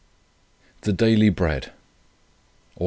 THE DAILY BREAD. "Aug.